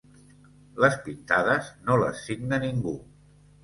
Les pintades, no les signa ningú.